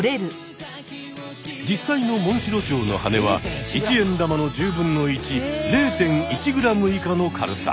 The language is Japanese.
実際のモンシロチョウのはねは１円玉の１０分の１０．１ｇ以下の軽さ！